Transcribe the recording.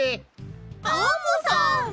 アンモさん！